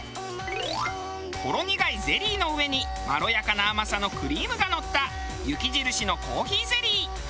ほろ苦いゼリーの上にまろやかな甘さのクリームがのった雪印のコーヒーゼリー。